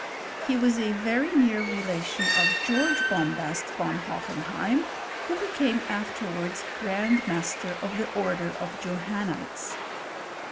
He was a very near relation of George Bombast von Hohenheim, who became afterwards grand master of the order of Johannites.